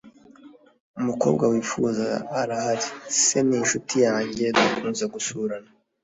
mukobwa wifuza arahari. Se ni inshuti yange dukunze gusurana.